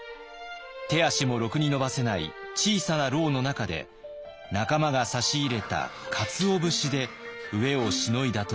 手足もろくに伸ばせない小さな牢の中で仲間が差し入れたかつお節で飢えをしのいだといいます。